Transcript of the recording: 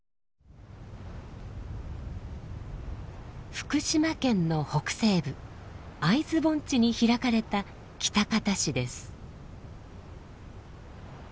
福島県の北西部会津盆地に開かれた喜多方市です。